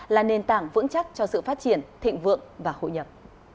là nền tảng vững chắc cho sự phát triển thịnh vượng và hội nhập